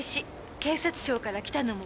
警察庁から来たのも小娘。